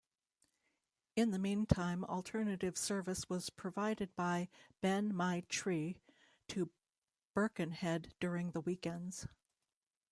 In the meantime alternative service was provided by "Ben-my-Chree" to Birkenhead during the weekends.